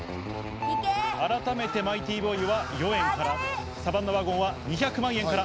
改めてマイティボーイは４円からサバンナワゴンは２００万円から。